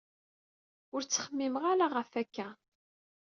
Ur ttxemmimeɣ ara ɣef-a akka.